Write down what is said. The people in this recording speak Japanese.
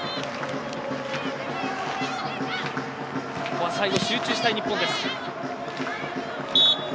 ここは最後集中したい日本です。